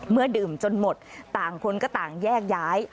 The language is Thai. เมื่อดื่มจนหมดต่างคนก็ต่างแยกย้าย